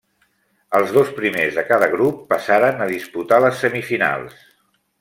Els dos primers de cada grup passaren a disputar les semifinals.